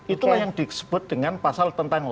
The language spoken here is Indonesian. itulah yang disebut dengan pasal tentang